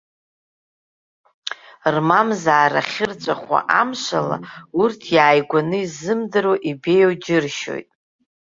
Рмамзаара ахьырҵәахуа амшала, урҭ иааигәаны иззымдыруа, ибеиоу џьыршьоит.